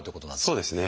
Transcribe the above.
そうですね。